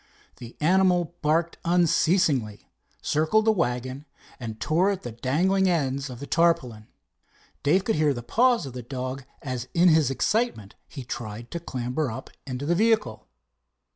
The animal barked unceasingly, circled the wagon and tore at the dangling ends of the tarpaulin. Dave could hear the paws of the dog as in his excitement he tried to clamber up into the vehicle.